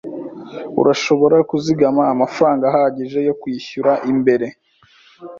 Urashobora kuzigama amafaranga ahagije yo kwishyura mbere?